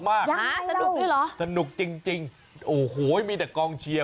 ยังไม่รู้สนุกจริงโอ้โหมีแต่กองเชียร์